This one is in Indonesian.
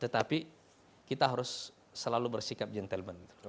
tetapi kita harus selalu bersikap gentleman